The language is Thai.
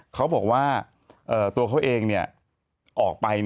เขาบอกว่าตัวเขาเองออกไป